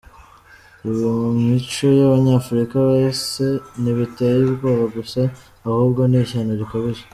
Ibi mu mico y’abanyafrika bose ntibiteye ubwoba gusa ahubwo ni ishyano rikabije.